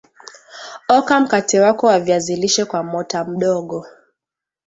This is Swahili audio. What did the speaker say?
oka mkate wako wa viazi lishe kwa mota mdogo